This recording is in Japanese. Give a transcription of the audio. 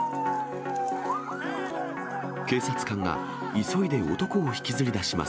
警察官が急いで男を引きずり出します。